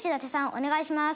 お願いします。